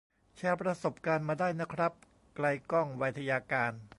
แชร์ประสบการณ์มาได้นะครับ ไกลก้อง ไวทยการ